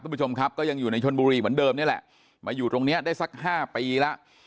คุณผู้ชมครับก็ยังอยู่ในชนบุรีเหมือนเดิมนี่แหละมาอยู่ตรงเนี้ยได้สักห้าปีแล้ว